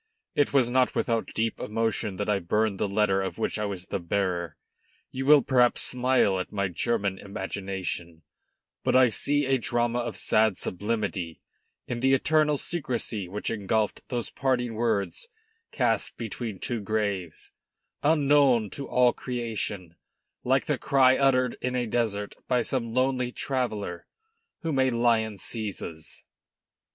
It was not without deep emotion that I burned the letter of which I was the bearer. You will perhaps smile at my German imagination, but I see a drama of sad sublimity in the eternal secrecy which engulfed those parting words cast between two graves, unknown to all creation, like the cry uttered in a desert by some lonely traveller whom a lion seizes."